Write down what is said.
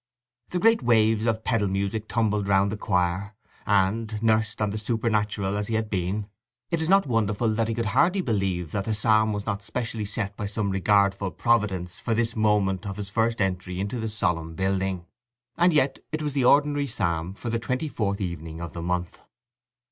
The great waves of pedal music tumbled round the choir, and, nursed on the supernatural as he had been, it is not wonderful that he could hardly believe that the psalm was not specially set by some regardful Providence for this moment of his first entry into the solemn building. And yet it was the ordinary psalm for the twenty fourth evening of the month.